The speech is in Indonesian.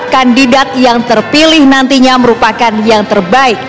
kandidat yang terpilih nantinya merupakan yang terbaik